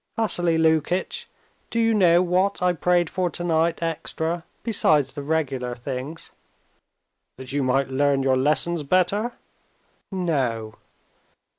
"Vassily Lukitch, do you know what I prayed for tonight extra besides the regular things?" "That you might learn your lessons better?" "No."